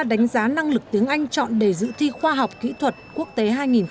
đã đánh giá năng lực tiếng anh chọn đề dự thi khoa học kỹ thuật quốc tế hai nghìn một mươi tám